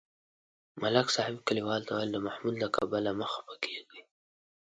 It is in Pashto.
ملک صاحب کلیوالو ته ویل: د محمود له کبله مه خپه کېږئ.